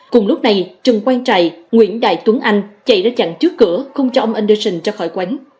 cùng lúc này trần quang trài nguyễn đại tuấn anh chạy ra chặn trước cửa không cho ông anderson ra khỏi quán